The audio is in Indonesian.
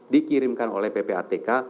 dikirimkan oleh ppatk